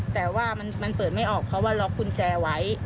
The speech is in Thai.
แต่ว่ามันเปิดไม่ออกเพราะว่าล็อกกุญแจไว้